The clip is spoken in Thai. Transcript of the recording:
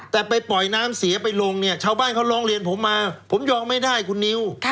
แต่ไปปล่อยน้ำเสียไปลงเนี่ยชาวบ้านเขาร้องเรียนผมมาผมยอมไม่ได้คุณนิว